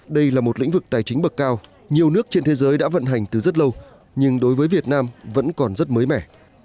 đây là một lĩnh vực tài chính bậc cao nhiều nước trên thế giới đã vận hành từ rất lâu nhưng đối với việt nam vẫn còn rất mới mẻ